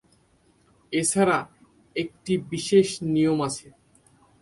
এছাড়া একটি বিশেষ নিয়ম আছে।